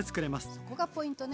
そこがポイントね。